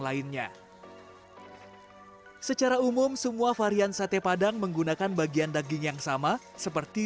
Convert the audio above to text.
lainnya secara umum semua varian sate padang menggunakan bagian daging yang sama seperti